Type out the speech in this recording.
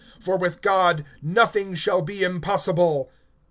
(37)For with God nothing shall be[1:37] impossible.